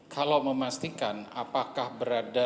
kalau memastikan apakah berada